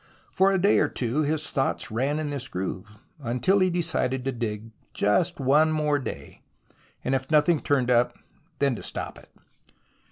For a day or two his thoughts ran in this groove, until he decided to dig just one more day, and if nothing turned up then to stop it.